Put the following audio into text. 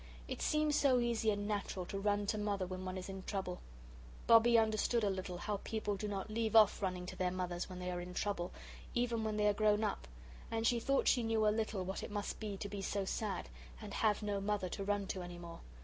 It seems so easy and natural to run to Mother when one is in trouble. Bobbie understood a little how people do not leave off running to their mothers when they are in trouble even when they are grown up, and she thought she knew a little what it must be to be sad, and have no mother to run to any more.